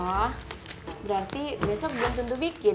wah berarti besok belum tentu bikin